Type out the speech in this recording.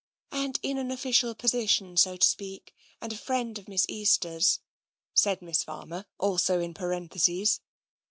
" And in an official position, so to speak — and a friend of Miss Easter's," said Miss Farmer, also in parentheses.